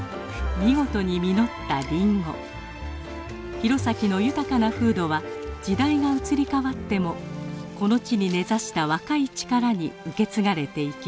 弘前の豊かな風土は時代が移り変わってもこの地に根ざした若い力に受け継がれていきます。